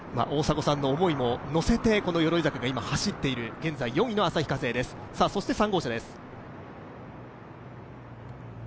大迫さんの思いも乗せて、この鎧坂が走っている現在４位の鎧坂です。